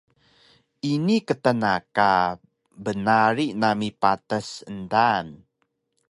Ini ktna ka bnarig nami patas endaan